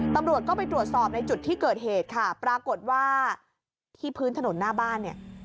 ตำรวจก็ไปตรวจสอบในจุดที่เกิดเหตุค่ะปรากฏว่าที่พื้นถนนหน้าบ้านเนี่ย